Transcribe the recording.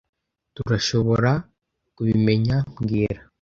Turashoborakubimenya mbwira